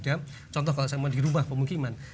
dan contoh kalau saya mau di rumah pemukiman